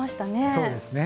そうですね。